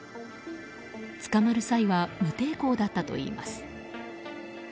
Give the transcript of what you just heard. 捕まる際は無抵抗だったといいます。